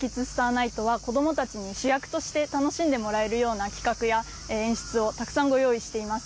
ＮＩＧＨＴは子どもたちに主役として楽しんでもらえるような企画や演出をたくさんご用意しています。